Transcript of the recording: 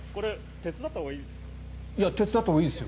手伝ったほうがいいですよ。